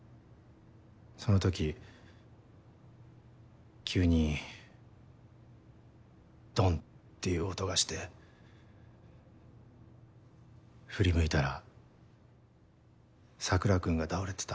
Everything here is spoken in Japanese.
その時急にドンっていう音がして振り向いたら桜君が倒れてた。